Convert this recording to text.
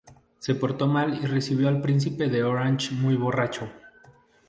Se portó mal y recibió al príncipe de Orange muy borracho.